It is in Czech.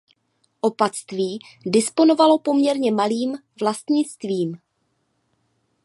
Opatství disponovalo poměrně malým vlastnictvím.